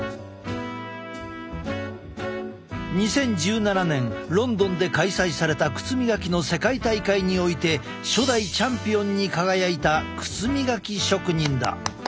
２０１７年ロンドンで開催された靴磨きの世界大会において初代チャンピオンに輝いた靴磨き職人だ。